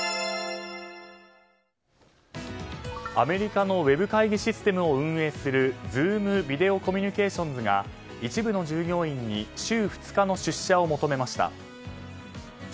アメリカのウェブ会議システムを運営するズーム・ビデオ・コミュニケーションズが一部の従業員に週２日の出社を求めました。